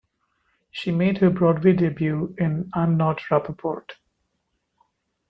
She made her Broadway debut in "I'm Not Rappaport".